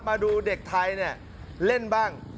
มาดูเด็กไทยเล่นบ้าง